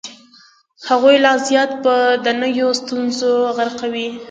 هغوی لا زیات په دنیوي ستونزو غرقوي.